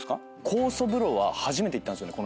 酵素風呂は初めて行ったんですよね